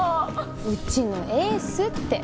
うちのエースって。